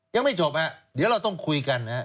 ยังไม่จบเดี๋ยวเราต้องคุยกัน